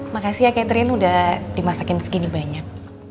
makasih ya catering udah dimasakin segini banyak